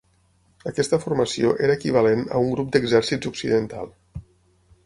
Aquesta formació era equivalent a un Grup d'exèrcits occidental.